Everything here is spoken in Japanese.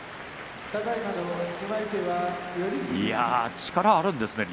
力があるんですね、竜